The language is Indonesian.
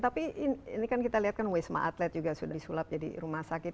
tapi ini kan kita lihat kan wisma atlet juga sudah disulap jadi rumah sakit